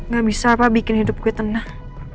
gak bisa apa bikin hidup gue tenang